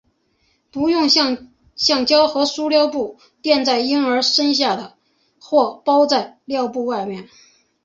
不用橡胶和塑料布垫在婴儿身下或包在尿布外面。